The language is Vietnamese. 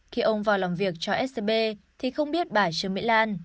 khi ông vào làm việc cho scb thì không biết bà trương mỹ lan